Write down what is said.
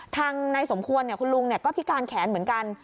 ทางนายสมควรคุณลุงก็พิการแขนเหมือนกัน